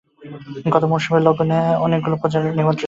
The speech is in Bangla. গত মরসুমে লণ্ডনে আমার অনেকগুলি ভোজের নিমন্ত্রণ ছিল।